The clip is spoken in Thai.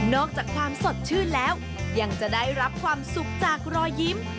อกจากความสดชื่นแล้วยังจะได้รับความสุขจากรอยยิ้ม